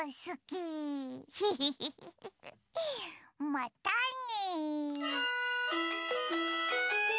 またね。